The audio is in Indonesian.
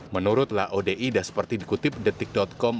menurut laodi dan seperti dikutip detik com